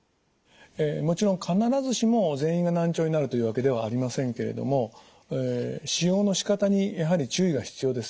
もちろん必ずしも全員が難聴になるというわけではありませんけれども使用の仕方にやはり注意が必要です。